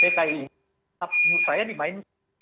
saya dimainkan karena secara politiknya